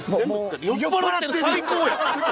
最高や。